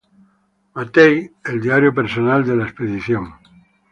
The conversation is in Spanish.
Mattei el diario personal de la expedición.